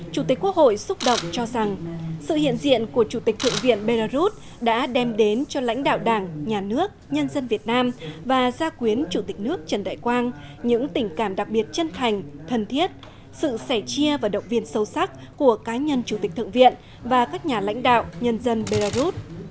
chủ tịch quốc hội xúc động cho rằng sự hiện diện của chủ tịch thượng viện belarus đã đem đến cho lãnh đạo đảng nhà nước nhân dân việt nam và gia quyến chủ tịch nước trần đại quang những tình cảm đặc biệt chân thành thân thiết sự sẻ chia và động viên sâu sắc của cá nhân chủ tịch thượng viện và các nhà lãnh đạo nhân dân belarus